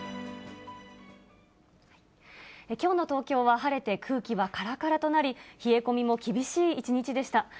きょうの東京は晴れて空気はからからとなり、冷え込みも厳しい一日でした。